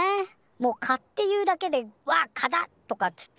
もう「カ」っていうだけで「うわ『カ』だ！」とかっつって